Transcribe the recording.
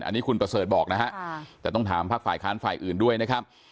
อันนี้คุณประเสริฐบอกนะฮะแต่ต้องถามภาคฝ่ายค้านฝ่ายอื่นด้วยนะครับ